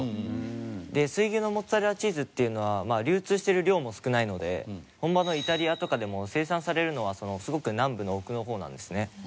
水牛のモッツァレラチーズっていうのは流通してる量も少ないので本場のイタリアとかでも生産されるのはすごく南部の奥の方なんですね。